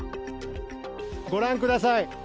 ご覧ください。